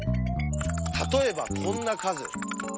例えばこんな数！